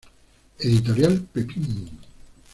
Editorial: Pepin.